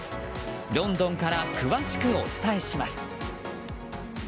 ロンドンから詳しくお伝えします。